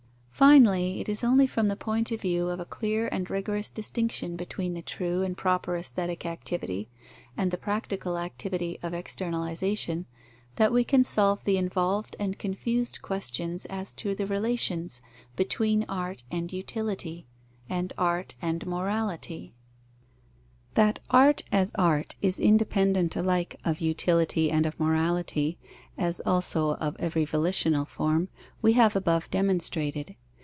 _ Finally, it is only from the point of view of a clear and rigorous distinction between the true and proper aesthetic activity, and the practical activity of externalization, that we can solve the involved and confused questions as to the relations between art and utility, and art and morality. That art as art is independent alike of utility and of morality, as also of every volitional form, we have above demonstrated.